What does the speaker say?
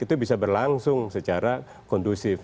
itu bisa berlangsung secara kondusif